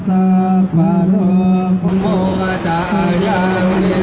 ที่เกี่ยวข้างหนึ่งที่เกี่ยวข้างหนึ่ง